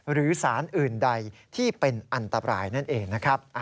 หรือสารอื่นใดที่เป็นอันตรายนั่นเองนะครับ